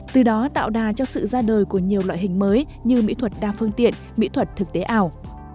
từ đó tạo đà cho sự ra đời của nhiều loại hình mới như mỹ thuật đa phương tiện mỹ thuật thực tế ảo